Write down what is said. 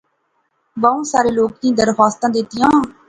بہوں سارے لوکیں درخواستاں دیتیاں